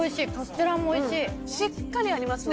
しっかりありますね